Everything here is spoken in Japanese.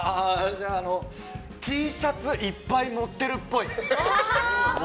じゃあ、Ｔシャツいっぱい持ってるっぽい。